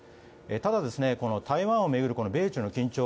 ただ、台湾を巡る米中の緊張